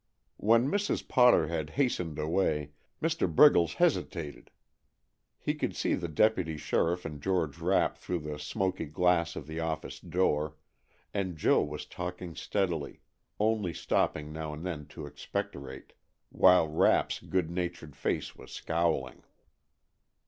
When Mrs. Potter had hastened away, Mr. Briggles hesitated. He could see the deputy sheriff and George Rapp through the smoky glass of the office door, and Joe was talking steadily, only stopping now and then to expectorate, while Rapp's good natured face was scowling.